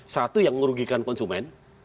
satu yang merugikan konsumen